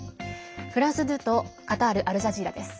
フランス２とカタール・アルジャジーラです。